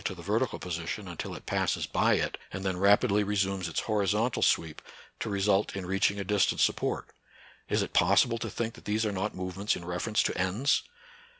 to the vertical position until it passes by it, and then rajDidly resumes its horizontal sweep, to result in reaching a distant suppoi't, — is it pos sible to think that these are not movements in reference to ends